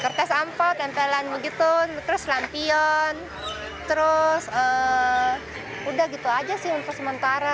kertas ampat tempelan begitu terus lampion terus udah gitu aja sih untuk sementara